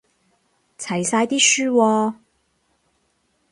齊晒啲書喎